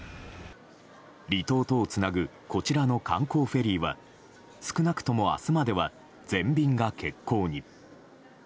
離島とをつなぐこちらの観光フェリーは少なくとも明日までは全便が欠航に。